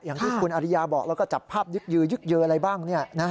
อย่างที่คุณอริยาบอกแล้วก็จับภาพยึกยือยึกเยออะไรบ้าง